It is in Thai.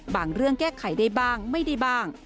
เรื่องแก้ไขได้บ้างไม่ได้บ้าง